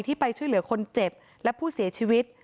ไปช่วยเหลือคนเจ็บและผู้เสียชีวิต